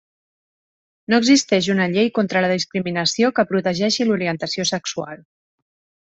No existeix una llei contra la discriminació que protegeixi l'orientació sexual.